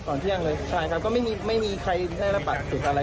เที่ยงเลยใช่ครับก็ไม่มีไม่มีใครได้รับบาดเจ็บอะไร